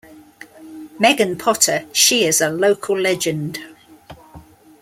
Megan Potter, she is a local legend.